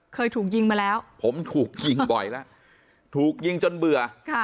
เคยถูกยิงมาแล้วผมถูกยิงบ่อยแล้วถูกยิงจนเบื่อ